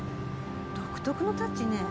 独特のタッチね。